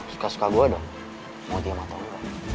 suka suka gua dong monty sama aku